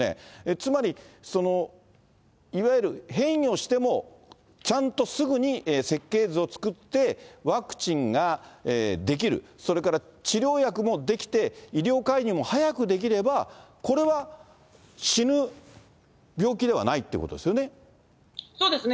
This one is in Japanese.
つまりいわゆる変異をしても、ちゃんとすぐに設計図を作って、ワクチンができる、それから治療薬も出来て、医療介入も早くできれば、これは死ぬ病気ではないといそうですね。